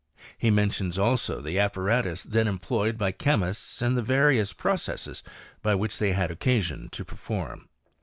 He mentions also the apparatus thea employed by chemists, and the various processes whidi they had occasion to perform.